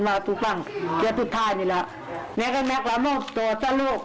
บอกสุดฟังเดี๋ยวสุดท้ายนี่แหละแม่แม่ก็แม่กลับหมอบตัวจ้ะลูก